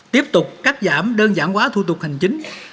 tiếp tục cắt giảm đơn giản quá thu tục hành chính